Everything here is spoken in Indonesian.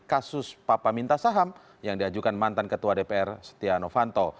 kasus papa minta saham yang diajukan mantan ketua dpr setia novanto